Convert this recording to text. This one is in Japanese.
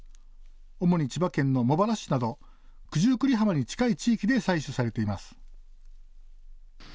主に千葉県の茂原市など九十九里浜に近い地域で採取されています。